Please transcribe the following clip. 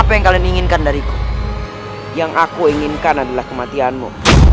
apa yang kalian inginkan dariku yang aku inginkan adalah kematianmu